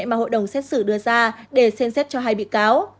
mà hội đồng xét xử đưa ra để xem xét cho hai bị cáo